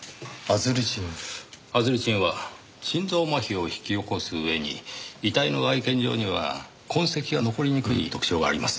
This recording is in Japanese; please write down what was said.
アズリチンは心臓麻痺を引き起こす上に遺体の外見上には痕跡が残りにくい特徴があります。